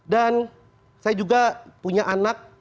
dan saya juga punya anak